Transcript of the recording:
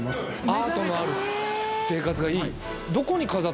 アートのある生活がいい？